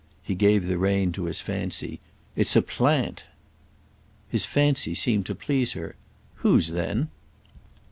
He gave the rein to his fancy. "It's a plant!" His fancy seemed to please her. "Whose then?"